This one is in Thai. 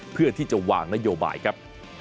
เพื่อที่จะวางนโยบายครับ